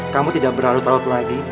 kamu tidak berharut harut lagi